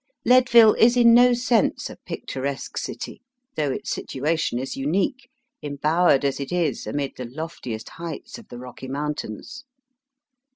Leadville is in no sense a picturesque city, though its situation is unique, embowered as it is amid the loftiest heights of the Kocky Mountains.